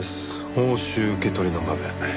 報酬受け取りの場面。